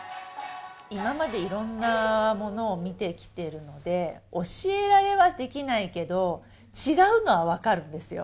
今までいろんなものを見てきてるので、教えられはできないけど、違うのは分かるんですよ。